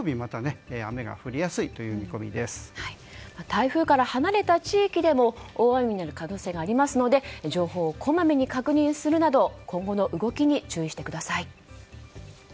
台風から離れた地域でも大雨になる可能性がありますので情報をこまめに確認するなど今後の動きに注意してください。